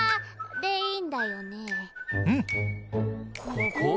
ここ？